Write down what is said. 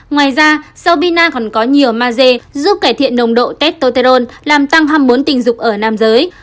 ngoài ra rau bina còn có nhiều maze giúp cải thiện nồng độ testoterone làm tăng hâm mốn tình dục ở nam giới